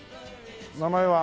名前は？